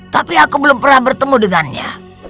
tapi aku belum pernah bertemu dengannya